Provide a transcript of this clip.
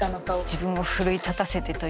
自分を奮い立たせてというか。